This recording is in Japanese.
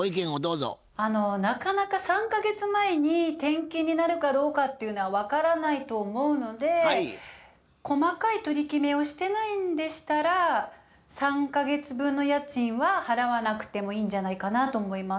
なかなか３か月前に転勤になるかどうかっていうのは分からないと思うので細かい取り決めをしてないんでしたら３か月分の家賃は払わなくてもいいんじゃないかなと思います。